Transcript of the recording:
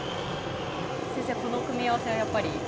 先生、この組み合わせはやっぱり？